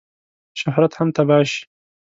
شهرت هم تباه شي.